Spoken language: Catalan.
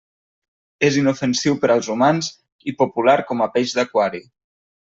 És inofensiu per als humans i popular com a peix d'aquari.